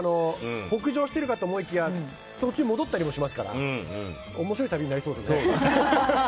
北上してるかと思いきや途中戻ったりもしますからおもしろい旅になりそうですね。